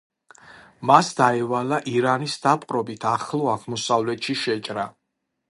მას დაევალა ირანის დაპყრობით ახლო აღმოსავლეთში შეჭრა.